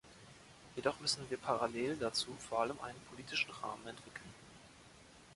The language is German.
Jedoch müssen wir parallel dazu vor allem einen politischen Rahmen entwickeln.